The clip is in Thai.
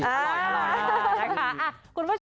ค่ะคุณผู้ชม